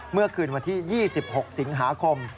เมื่อคืนวันที่๒๖สิงหาคม